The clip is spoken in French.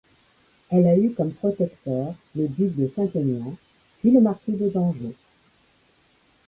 Elle a eu comme protecteur le duc de Saint-Aignan, puis le marquis de Dangeau.